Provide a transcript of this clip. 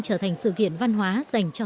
trở thành sự kiện văn hóa dành cho